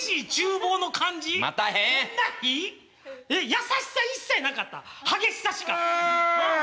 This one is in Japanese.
優しさ一切なかった激しさしか。